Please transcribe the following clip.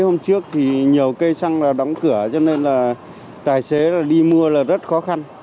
hôm trước thì nhiều cây xăng đóng cửa cho nên là tài xế đi mua là rất khó khăn